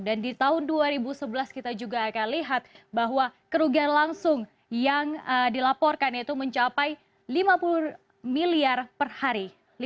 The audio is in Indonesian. dan di tahun dua ribu sebelas kita juga akan lihat bahwa kerugian langsung yang dilaporkan itu mencapai lima puluh miliar per hari